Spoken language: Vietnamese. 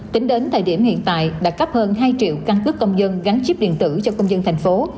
tính đến thời điểm hiện tại đã cấp hơn hai triệu căn cước công dân gắn chip điện tử cho công dân thành phố